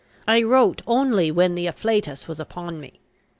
I wrote only when the afflatus was upon me.